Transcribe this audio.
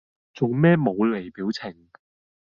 做咩冇厘表情